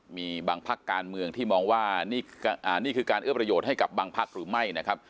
มีบางพักการเมืองที่มองว่านี่คือการเอื้อประโยชน์ให้กับบางพักหรือไม่นะครับ